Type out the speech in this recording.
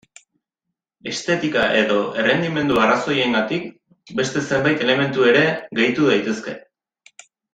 Estetika edo errendimendu arrazoirengatik beste zenbait elementu ere gehitu daitezke.